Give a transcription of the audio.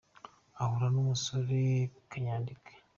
ahura n'umusore kanyandekwe.